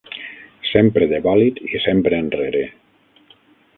Sempre de bòlit i sempre enrere.